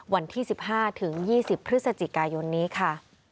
วันที่๑๕๒๐พฤศจิกายนนี้ค่ะ